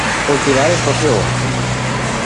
Coltivare il proprio orto.